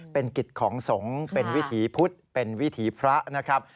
เป็นกิจของสงฆ์เป็นวิถีพุทธเป็นวิถีพระนะครับ